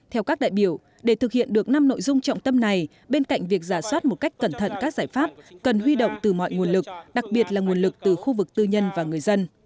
theo các đại biểu để thực hiện được năm nội dung trọng tâm này bên cạnh việc giả soát một cách cẩn thận các giải pháp cần huy động từ mọi nguồn lực đặc biệt là nguồn lực từ khu vực tư nhân và người dân